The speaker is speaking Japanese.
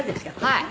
はい。